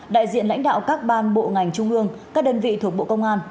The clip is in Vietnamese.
đại diện lãnh đạo các ban bộ ngành trung ương các đơn vị thuộc bộ công an